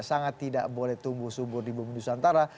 sangat tidak boleh tumbuh subur di bumi nusantara